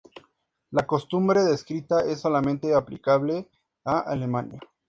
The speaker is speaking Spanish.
La costumbre descrita es solamente aplicable a Alemania.